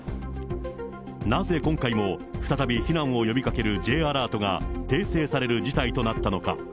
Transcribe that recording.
なぜ今回も再び避難を呼びかけるＪアラートが訂正される事態となったのか。